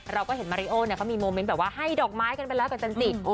เราก็เห็นมาริโอเนี่ยเขามีโมเมนต์แบบว่าให้ดอกไม้กันไปแล้วกับจันจิ